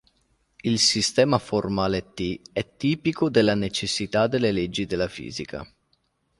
Il sistema formale T è tipico della necessità delle leggi della fisica.